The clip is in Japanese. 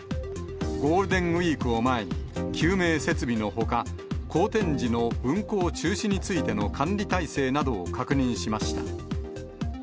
ゴールデンウィークを前に、救命設備のほか、荒天時の運航中止についての管理体制などを確認しました。